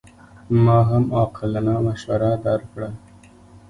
ما هم عاقلانه مشوره درکړه.